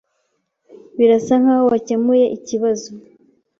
Birasa nkaho wakemuye ikibazo.